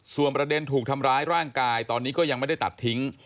ส่วนประเด็นถูกทำร้ายร่างกายตอนนี้ก็ยังไม่ได้ตัดทิ้ง